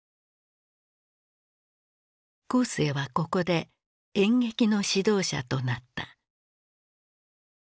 江青はここで演劇の指導者となった。